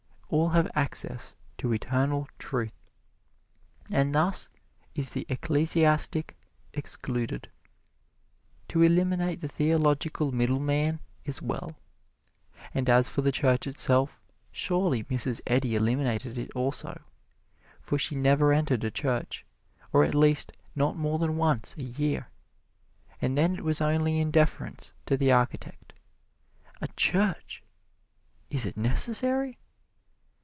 All have access to Eternal Truth, and thus is the ecclesiastic excluded. To eliminate the theological middleman is well, and as for the Church itself, surely Mrs. Eddy eliminated it also; for she never entered a church, or at least not more than once a year, and then it was only in deference to the architect. A Church! Is it necessary?